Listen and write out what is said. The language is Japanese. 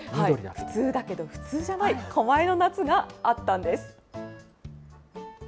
普通だけど普通じゃない、狛江の夏があったんです。